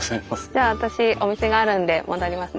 じゃあ私お店があるんで戻りますね。